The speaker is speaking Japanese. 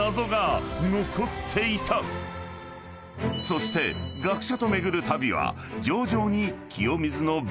［そして学者と巡る旅は］